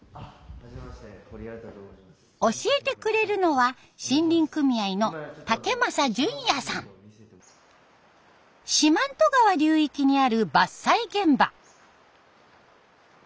教えてくれるのは森林組合の四万十川流域にある伐採現場。